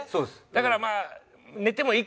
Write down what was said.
だからまあ。